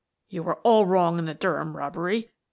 You were all wrong in the Durham robbery.